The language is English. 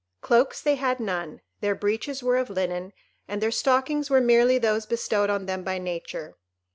Cloaks they had none; their breeches were of linen, and their stockings were merely those bestowed on them by Nature.